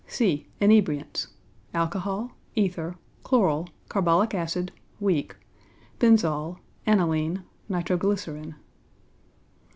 (c) Inebriants alcohol, ether, chloral, carbolic acid (weak), benzol, aniline, nitro glycerine.